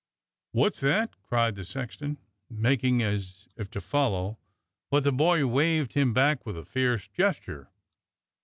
" W^ot's that? " cried the sexton, making as if to follow, but the boy waved him back with a fierce gesture.